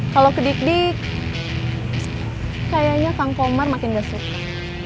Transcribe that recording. kalau kedik dik kayaknya kang komar makin gak suka